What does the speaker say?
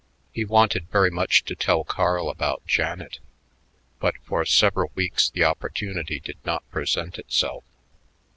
He wanted very much to tell Carl about Janet, but for several weeks the opportunity did not present itself.